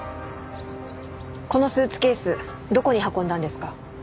このスーツケースどこに運んだんですか？